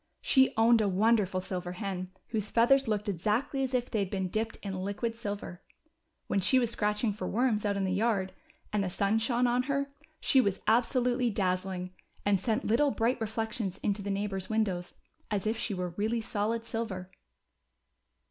She owned a wonderful silver hen, whose feathers looked exactly as if they had been dipped in liquid silver. When she was scratching for worms out in the yard, and the sun shone on her, she was absolutely dazzling, and sent little bright re flections into the neighbors' windows, as if she Avere really solid silver.